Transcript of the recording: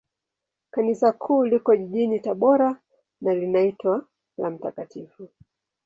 Kanisa Kuu liko jijini Tabora, na linaitwa la Mt.